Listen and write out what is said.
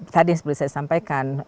tadi seperti saya sampaikan